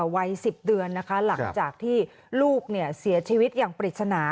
วัย๑๐เดือนนะคะหลังจากที่ลูกเสียชีวิตอย่างปริศนา